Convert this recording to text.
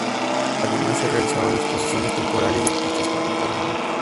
Además se realizan exposiciones temporales de artistas contemporáneos.